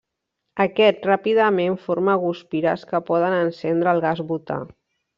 Aquest ràpidament forma guspires que poden encendre el gas butà.